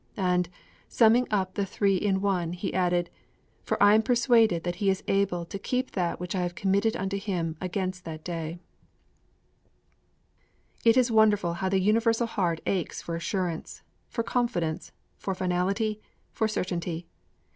And, summing up the three in one, he added, 'For I am persuaded that He is able to keep that which I have committed unto Him against that day.' It is wonderful how the universal heart aches for assurance, for confidence, for finality, for certainty.